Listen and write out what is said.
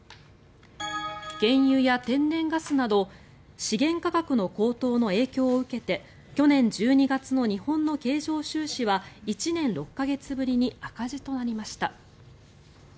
原油や天然ガスなど資源価格の高騰の影響を受けて去年１２月の日本の経常収支は１年６か月ぶりに赤字となりました。